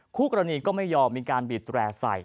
คู่กรณีก็ไม่ยอมมีการบีดแร่ใส่